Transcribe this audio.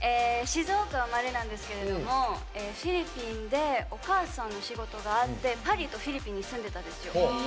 静岡生まれなんですけどフィリピンでお母さんの仕事があってパリとフィリピンに住んでたんですよ。